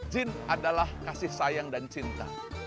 jin adalah kasih sayang dan cinta